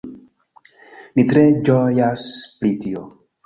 Ni tre ĝojas pri tio